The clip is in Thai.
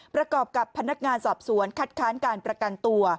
ประกอบกับพนักงานสอบสวนคัดค้านการประกันตัว